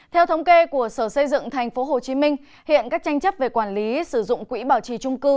theo thống kê của sở xây dựng tp hcm hiện các tranh chấp về quản lý sử dụng quỹ bảo trì trung cư